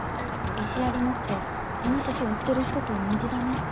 石槍持ってイノシシを追ってる人と同じだね。